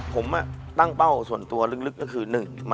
ผมตั้งเป้าส่วนตัวลึกก็คือ